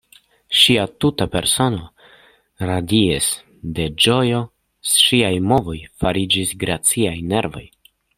Ŝia tuta persono radiis de ĝojo; ŝiaj movoj fariĝis graciaj, nervaj.